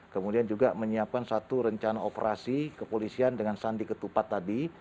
kemudian juga menyiapkan satu rencana operasi kepolisian dengan sandi ketupat tadi